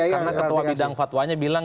karena ketua bidang fatwanya bilang